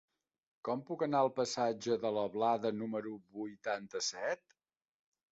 Com puc anar al passatge de la Blada número vuitanta-set?